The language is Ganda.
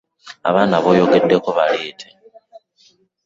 Abaana b'oyogeddeko bonna baleete.